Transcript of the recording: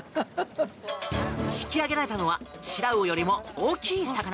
引き揚げられたのはシラウオよりも大きい魚。